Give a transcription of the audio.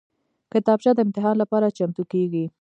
کتابچه د امتحان لپاره چمتو کېږي